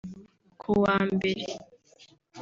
Kuwa mbere